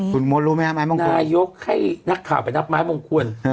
คุณมดรู้ไหมฮะไม้มงคลนายกให้นักข่าวไปนับไม้มงคลอือ